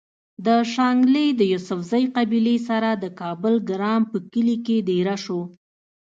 د شانګلې د يوسفزۍقبيلې سره د کابل ګرام پۀ کلي کې ديره شو